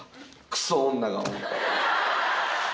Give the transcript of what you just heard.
クソ女が。